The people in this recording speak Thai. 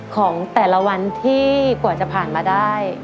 ของแต่ละวันที่กว่าจะผ่านมาได้